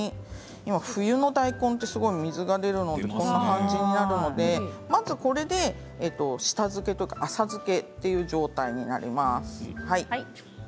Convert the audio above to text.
今、冬の大根ってすごい水が出るのでこんな感じになるのでまずこれで下漬けというか浅漬けという状態になります。